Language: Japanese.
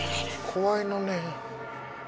怖いのねん。